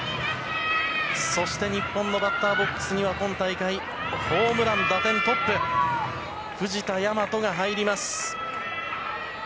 そして日本のバッターボックスには、今大会ホームラン、打点トップ、藤田倭が入ります。